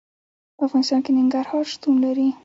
په افغانستان کې ننګرهار شتون لري.